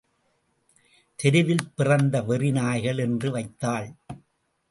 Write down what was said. தெருவில் பிறந்த வெறி நாய்கள் என்று வைதாள்.